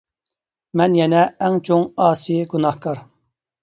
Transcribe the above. مەن يەنە ئەڭ چوڭ ئاسىي گۇناھكار.